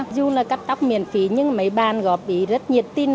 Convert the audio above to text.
dù là cắt tóc miễn phí nhưng mấy bàn góp ý rất nhiệt tin